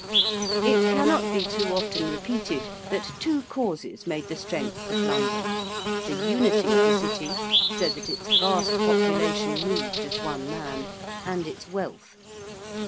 It cannot be too often repeated that two causes made the strength of London: the unity of the City, so that its vast population moved as one man: and its wealth.